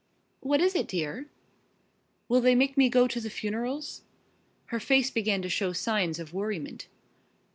"What is it, dear?" "Will they make me go to the funerals?" Her face began to show signs of worriment.